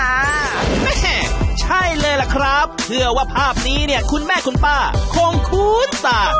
แม่ใช่เลยล่ะครับเชื่อว่าภาพนี้เนี่ยคุณแม่คุณป้าคงคุ้นตา